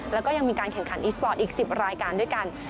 แล้วก็ยังมีการแข่งขันอีสปอร์ตอีก๑๐รายการด้วยกัน